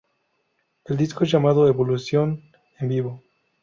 El disco es llamado "Evolución en vivo".